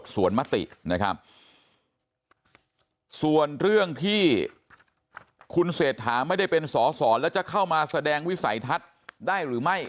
ส่วนมตินะครับส่วนเรื่องที่คุณเศรษฐาไม่ได้เป็นสอสอแล้วจะเข้ามาแสดงวิสัยทัศน์ได้หรือไม่